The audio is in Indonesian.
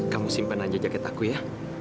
kamu simpan aja jaket aku ya